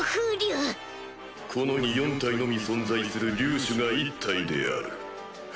この世に４体のみ存在する竜種が１体である。